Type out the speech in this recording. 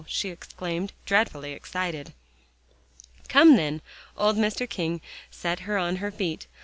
she exclaimed, dreadfully excited. "Come, then." Old Mr. King set her on her feet.